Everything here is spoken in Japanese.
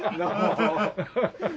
ハハハハ。